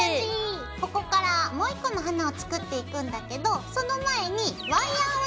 ここからもう一個の花を作っていくんだけどその前にワイヤーをね